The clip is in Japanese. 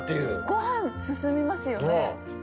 ご飯進みますよね。